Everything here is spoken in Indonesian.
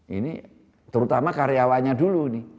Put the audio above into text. ini terutama karyawannya dulu